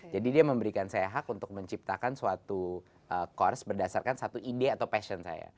jadi dia memberikan saya hak untuk menciptakan suatu course berdasarkan satu ide atau passion saya